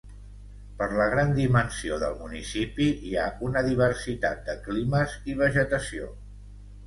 Per la gran dimensió del municipi, hi ha una diversitat de climes i vegetació.